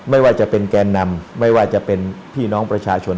ไม่ว่าจะเป็นแกนนำไม่ว่าจะเป็นพี่น้องประชาชน